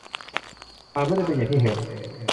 อาจไม่ได้เป็นอย่างที่เห็น